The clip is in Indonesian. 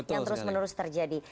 yang terus menerus terjadi